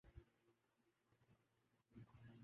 تعلیم اور جمہوریت تعلیم ہی سے شعور کی گرہیں